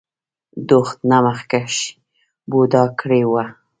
د وخت نه مخکښې بوډا کړے وۀ ـ